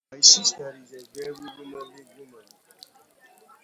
My sister is a very womanly woman.